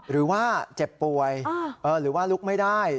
หรือว่าเจ็บป่วยหรือว่าลุกไม่ได้